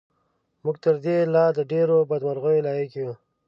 موږ تر دې د لا ډېرې بدمرغۍ لایق یو.